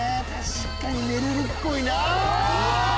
確かにめるるっぽい。